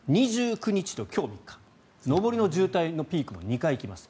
２９日と今日の１回上りの渋滞のピークも２回来ます。